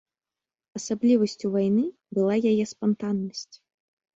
Асаблівасцю вайны была яе спантаннасць.